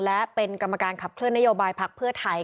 และเป็นกรรมการขับเคลื่อนนโยบายพักเพื่อไทย